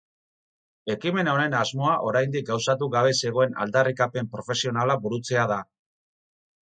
Ekimen honen asmoa oraindik gauzatu gabe zegoen aldarrikapen profesionala burutzea da.